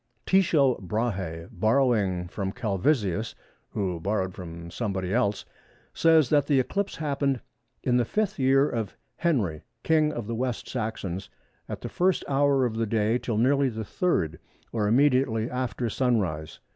Tycho Brahe, borrowing from Calvisius, who borrowed from somebody else, says that the eclipse happened "in the 5th year of Henry, King of the West Saxons, at the 1st hour of the day till nearly the 3rd, or immediately after sunrise."